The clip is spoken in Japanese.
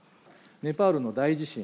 ネパールの大地震